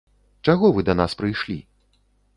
Чаго вы да нас прыйшлі?